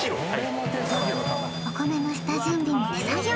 お米の下準備も手作業